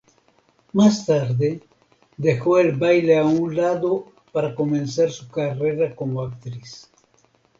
Más tarde, dejó el baile a un lado para comenzar su carrera como actriz.